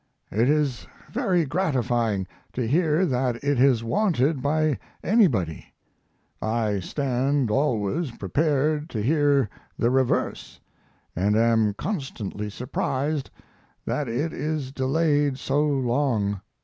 It is very gratifying to hear that it is wanted by anybody. I stand always prepared to hear the reverse, and am constantly surprised that it is delayed so long.